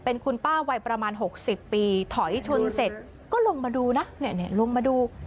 เป็นคุณป้าวัยประมาณ๖๐ปีถอยชนเสร็จก็ลงมาดูนะเนี่ยลงมาดู